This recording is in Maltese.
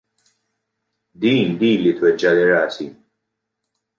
Din lili tweġġagħli rasi.